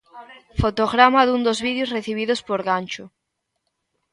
Fotograma dun dos vídeos recibidos por Gancho.